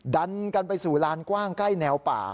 ดันกันไปสู่ลานกว้างใกล้แนวป่า